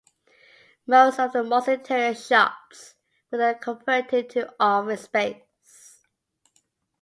Most of the mall’s interior shops were then converted to office space.